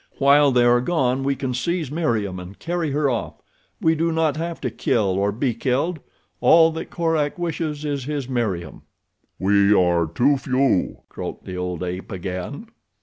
While they are gone we can seize Meriem and carry her off. We do not have to kill or be killed—all that Korak wishes is his Meriem." "We are too few," croaked the old ape again.